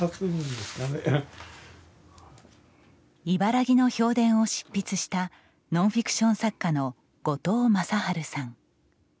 茨木の評伝を執筆したノンフィクション作家の後藤正治さん。